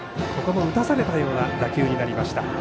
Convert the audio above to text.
打たされたような打球になりました。